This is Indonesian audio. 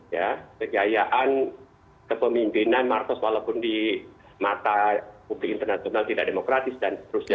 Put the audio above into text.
ya kejayaan kepemimpinan marcos walaupun di mata publik internasional tidak demokratis dan seterusnya